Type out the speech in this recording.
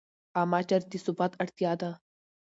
عامه چارې د ثبات اړتیا ده.